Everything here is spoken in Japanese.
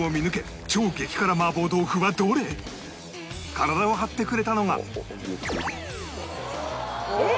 体を張ってくれたのがおおっ。